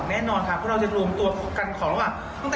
สนมรองสนมแผนสนมเก้าจะเต็มที่มากเลยค่ะรวมถึงด้วยนะคะ